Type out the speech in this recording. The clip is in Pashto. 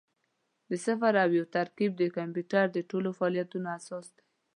د صفر او یو ترکیب د کمپیوټر د ټولو فعالیتونو اساس دی.